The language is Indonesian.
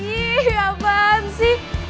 ih apaan sih